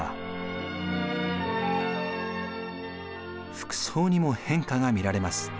服装にも変化が見られます。